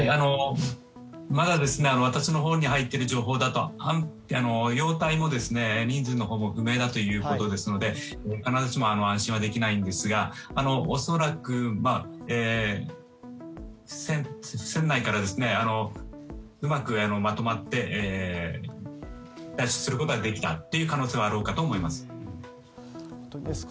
まだ私のほうに入っている情報だと容体も、人数のほうも不明だということですので必ずしも安心はできませんが恐らく、船内からうまくまとまって脱出することができた可能性はあろうかと思います。